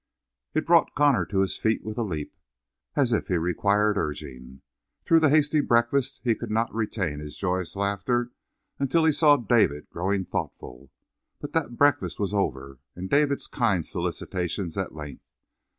It brought Connor to his feet with a leap. As if he required urging! Through the hasty breakfast he could not retain his joyous laughter until he saw David growing thoughtful. But that breakfast was over, and David's kind solicitations, at length.